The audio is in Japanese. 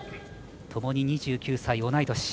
ともに２９歳、同い年。